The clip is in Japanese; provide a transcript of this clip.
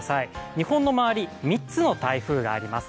日本の周り、３つの台風があります。